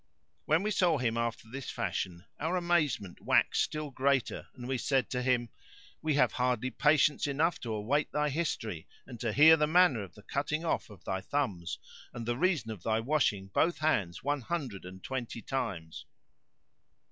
When we saw him after this fashion, our amazement waxed still greater and we said to him, "We have hardly patience enough to await thy history and to hear the manner of the cutting off of thy thumbs, and the reason of thy washing both hands one hundred and twenty times."